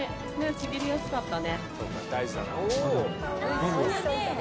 ちぎりやすかったね。